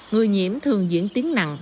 người nhiễm thường diễn tiếng nặng